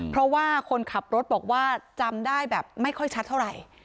เพราะว่าคนขับรถบอกว่าจำได้แบบไม่ค่อยชัดเท่าไหร่